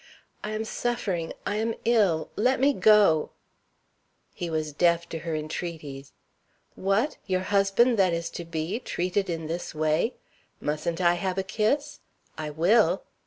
"I am suffering I am ill let me go!" He was deaf to her entreaties. "What! your husband that is to be, treated in this way? Mustn't I have a kiss? I will!"